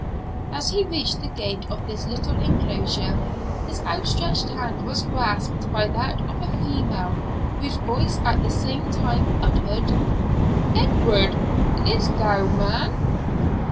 As he reached the gate of this little enclosure, his outstretched hand was grasped by that of a female, whose voice at the same time uttered, 'Edward, is't thou, man?'